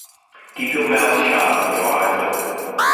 Keep your mouth shut and your eyes open.